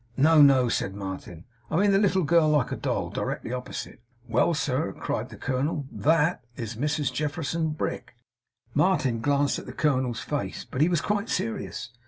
'No, no,' said Martin, 'I mean the little girl, like a doll; directly opposite.' 'Well, sir!' cried the colonel. 'THAT is Mrs Jefferson Brick.' Martin glanced at the colonel's face, but he was quite serious.